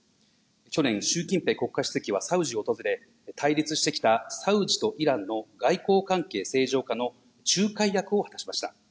去年、習近平国家主席はサウジを訪れ、対立してきたサウジとイランの外交関係正常化の仲介役を果たしました。